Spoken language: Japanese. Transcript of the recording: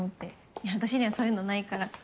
いや私にはそういうのないから。